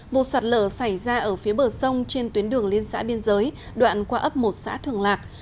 vụ sạt lở xảy ra ở phía bờ sông trên tuyến đường liên xã biên giới đoạn qua ấp một xã thường lạc